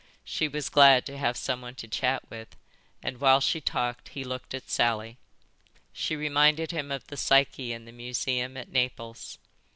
She was glad to have someone to chat with and while she talked he looked at Sally. She reminded him of the Psyche in the museum at Naples.